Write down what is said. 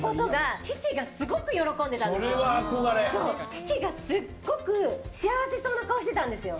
父がすごく幸せそうな顔をしてたんですよ。